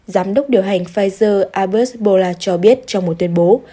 giám đốc điều hành pfizer azure ebola cho biết trong một tuyên bố